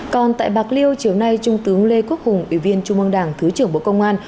còn tại bạc liêu chiều nay trung tướng lê quốc hùng ủy viên trung mương đảng thứ trưởng bộ công an